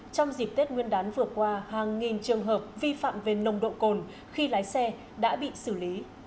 trong dịp tết nguyên đán vừa qua hàng nghìn trường hợp vi phạm về nồng độ cồn khi lái xe đã bị xử lý